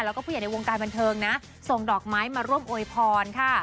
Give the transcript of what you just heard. แล้วก็ผู้ใหญ่ในวงการบันเทิงนะส่งดอกไม้มาร่วมโอยพรค่ะ